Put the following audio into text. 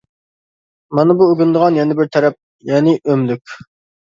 مانا بۇ ئۆگىنىدىغان يەنە بىر تەرەپ يەنى ئۆملۈك.